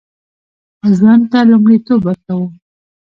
ژوند ته لومړیتوب ورکړو